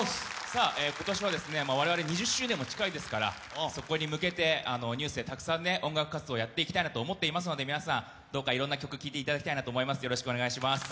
今年は我々、２０周年も近いですからそこにむけてＮＥＷＳでたくさん音楽活動やっていきたいと思いますので皆さん、どうかいろんな曲聴いていただきたいなと思います。